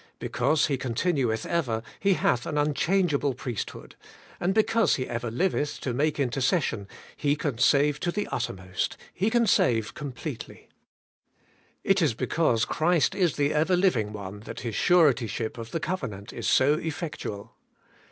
Because He continueth ever^ He hath an unchangeable priesthood. And AS THE SURETY OF THE COVENANT, 227 because He ever Uvetli to make intercession, He can save to the uttermost, He can save completely. It is because Christ is the Ever living One that His surety ship of the covenant is so effectual.